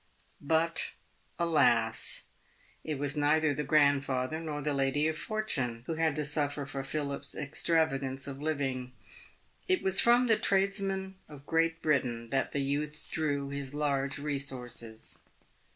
Eut, alas ! it was neither the grand father nor the lady of fortune who had to suffer for Philip's extra vagance of living. It was from the tradesmen of Great Britain that the youth drew his large resources.